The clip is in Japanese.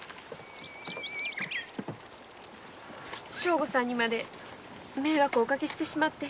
正吾さんにまで迷惑をかけてしまって。